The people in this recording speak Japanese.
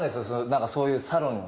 何かそういうサロンに。